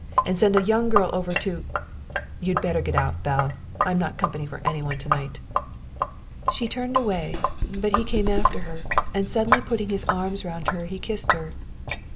and send a young girl over to You'd better get out, Belle. I'm not company for any one to night." She turned away, but he came after her, and suddenly putting his arms round her he kissed her.